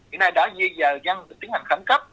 hiện nay đã dây dà văn và tiến hành khám cấp